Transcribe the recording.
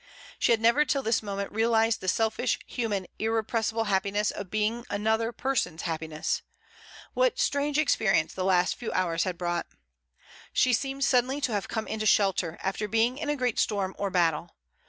She had never till this moment realised the selfish, human, irrepressible happiness of being an other person's happiness. What strange experience the last few hours had brought! She seemed sud denly to have come into shelter, after being in a great storm or battle.